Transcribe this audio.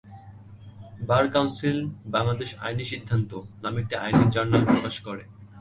বার council ‘Bangladesh আইনি সিদ্ধান্ত’ নামে একটি আইনি জার্নাল প্রকাশ করে।